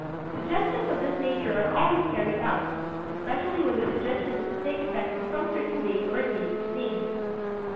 Suggestions of this nature are always carried out, especially when the suggestion is to take effect on some certain day or date named.